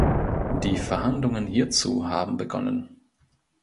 Die Verhandlungen hierzu haben begonnen.